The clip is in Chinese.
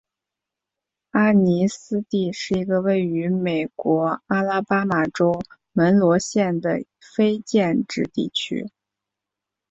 马尼斯蒂是一个位于美国阿拉巴马州门罗县的非建制地区。